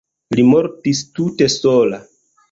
Li mortis tute sola.